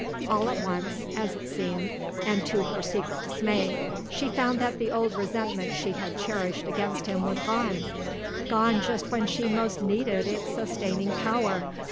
All at once, as it seemed, and to her secret dismay, she found that the old resentment she had cherished against him was gone gone just when she most needed its sustaining power.